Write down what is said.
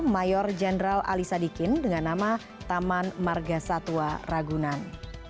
mayor jenderal ali sadikin dengan nama taman marga satwa ragunan